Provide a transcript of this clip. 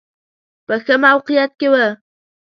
په ښه موقعیت کې و.